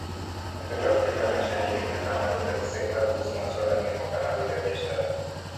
Bunge la Afrika Mashariki na kamati za kisekta kuhusu masuala muhimu kama vile biashara